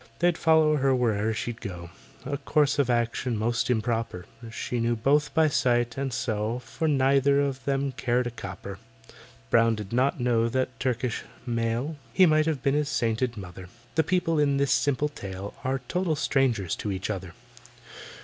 They'd follow her where'er she'd go— A course of action most improper; She neither knew by sight, and so For neither of them cared a copper. BROWN did not know that Turkish male, He might have been his sainted mother: The people in this simple tale Are total strangers to each other.